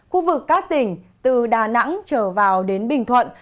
khu vực các tỉnh từ đà nẵng trở vào đến bình thuận